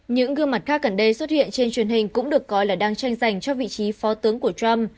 những gương mặt khác gần đây xuất hiện trên truyền hình cũng được coi là đang tranh giành cho vị trí phó tướng của trump